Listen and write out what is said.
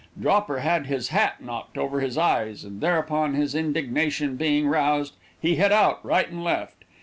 Dropper had his hat knocked over his eyes, and thereupon, his indignation being roused, he hit out, right and left.